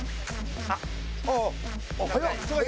ああ早っ！